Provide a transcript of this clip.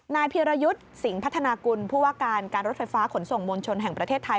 นายพีรยุทธ์สิงห์พัฒนากุลผู้ว่าการการรถไฟฟ้าขนส่งมวลชนแห่งประเทศไทย